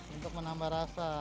untuk menambah rasa